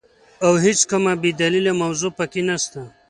او هيڅ کومه بي دليله موضوع په کي نسته،